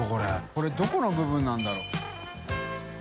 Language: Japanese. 海どこの部分なんだろう？